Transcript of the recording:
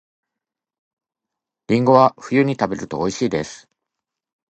りんごは冬に食べると美味しいです